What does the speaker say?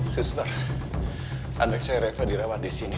sistir anak saya reva dirawat disini